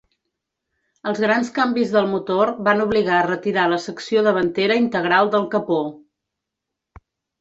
Els grans canvis del motor van obligar a retirar la secció davantera integral del capó.